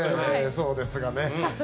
そうですがね